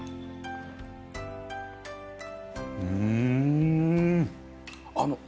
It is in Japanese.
うん。